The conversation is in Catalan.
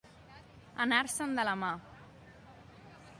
Anar-se'n de la mà.